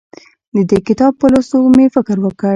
د دې کتاب په لوستو مې فکر وکړ.